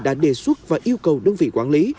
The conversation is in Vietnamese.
đã đề xuất và yêu cầu đơn vị quản lý